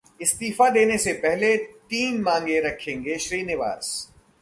इस्तीफा देने से पहले तीन मांगें रखेंगे श्रीनिवासन